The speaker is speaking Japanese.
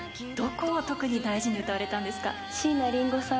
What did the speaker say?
どこを特に大事に歌われたんですか？